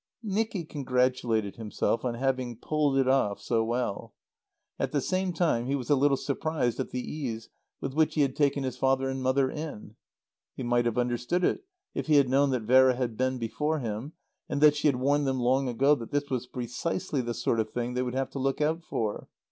Nicky congratulated himself on having pulled it off so well. At the same time he was a little surprised at the ease with which he had taken his father and mother in. He might have understood it if he had known that Vera had been before him, and that she had warned them long ago that this was precisely the sort of thing they would have to look out for.